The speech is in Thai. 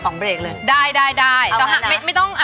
อุ้ยเพิ่มเขียววิงอะ